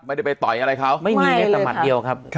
ไม่ได้ไปต่อยอะไรเขาไม่มีแค่แต่หมัดเดียวครับ